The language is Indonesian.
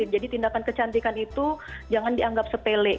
jadi tindakan kecantikan itu jangan dianggap sepele